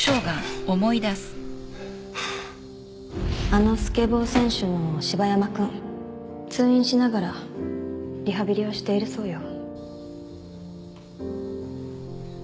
あのスケボー選手の芝山君通院しながらリハビリをしているそうよ